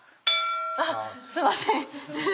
あっすいません。